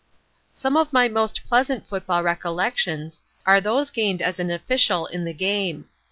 Some of my most pleasant football recollections are those gained as an official in the game.